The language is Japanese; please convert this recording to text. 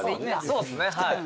そうですね。